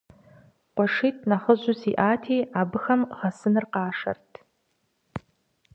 КъуэшитӀ нэхъыжьу сиӀэти, абыхэм гъэсыныр къашэрт.